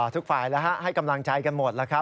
ทุกฝ่ายให้กำลังใจกันหมด